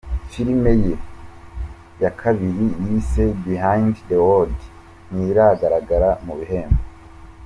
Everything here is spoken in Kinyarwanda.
Filime ye ya kabiri yise “Behind The Word” ntiragaragara mu bihembo.